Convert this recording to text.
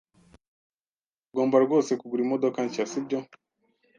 Tugomba rwose kugura imodoka nshya, si byo?